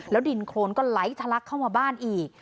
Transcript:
ดินโครนก็ไหลทะลักเข้ามาบ้านอีก